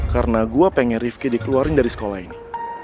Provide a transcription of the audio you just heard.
karena gue pengen ariefki dikeluarin dari sekolah ini